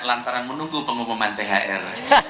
lantaran menunggu pengumuman thr